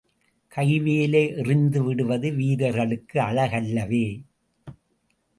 கைவேலை எறிந்து விடுவது வீரர்களுக்கு அழகல்லவே!